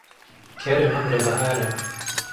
کەرە مەمرە بەهارە.